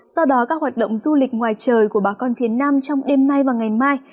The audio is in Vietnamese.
do đó các hoạt động du lịch ngoài trời của bà con phía nam trong đêm nay và ngày mai